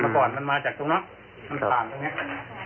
ก่อนมันมาจากตรงนี้มันผ่านตรงนี้